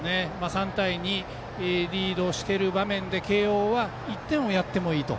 ３対２、リードしている場面で慶応は１点をやってもいいと。